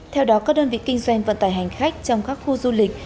theo đó các đơn vị kinh doanh vận tải hành khách trong các khu du lịch